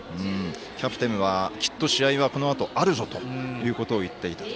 キャプテンはきっと試合はこのあとあるぞということを言っていたと。